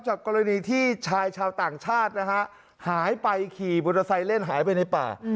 จากกรณีที่ชายชาวต่างชาติหายไปขี่มูลโทรไซต์เล่นหายไปในป่า